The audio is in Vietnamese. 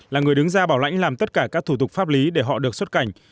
là người đứng ra bảo lãnh làm tất cả các thủ tục pháp lý để họ được xuất cảnh